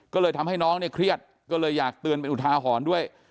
ก็เลยทำให้น้องเนี่ยเครียดก็เลยอยากเตือนเป็นอุทาหรณ์ด้วย